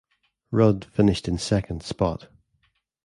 Rudd finished in second spot.